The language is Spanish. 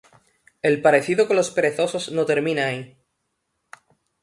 El parecido con los perezosos no termina ahí.